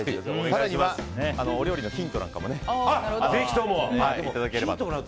更にはお料理のヒントなんかもねいただければと思います。